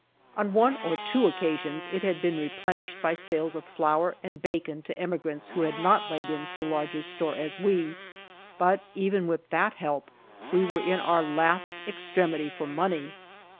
On one or two occasions it had been replenished by sales of flour and bacon to emigrants who had not laid in so large a store as we, but even with that help we were at our last extremity for money.